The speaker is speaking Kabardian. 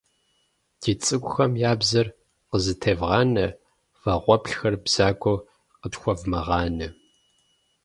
Ди цӀыкӀухэм я бзэр къызэтевгъанэ, вагъуэплъхэр бзагуэу къытхуэвмыгъанэ.